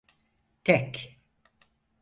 Tek…